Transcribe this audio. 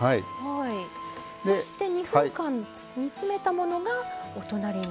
そして２分間煮詰めたものがお隣に。